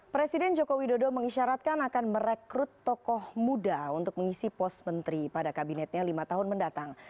presiden joko widodo mengisyaratkan akan merekrut tokoh muda untuk mengisi pos menteri pada kabinetnya lima tahun mendatang